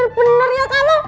uyah bener bener ya kamu